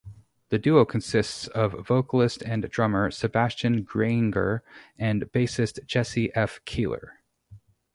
The duo consists of vocalist and drummer Sebastien Grainger and bassist Jesse F. Keeler.